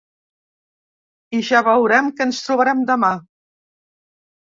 I ja veurem què ens trobarem demà.